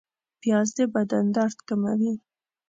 پیاز د بدن درد کموي